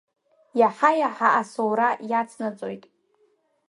Иаҳа-иаҳа асоура иацнаҵоит.